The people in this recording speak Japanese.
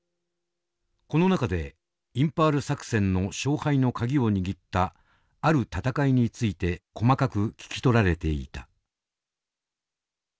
この中でインパール作戦の勝敗の鍵を握ったある戦いについて細かく聞き取られていた。